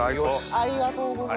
ありがとうございます。